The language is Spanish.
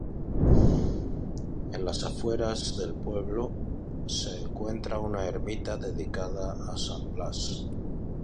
En las afueras del pueblo se encuentra una ermita dedicada a San Blas.